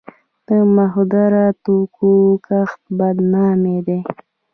د مخدره توکو کښت بدنامي ده.